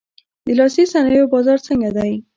د لاسي صنایعو بازار څنګه دی؟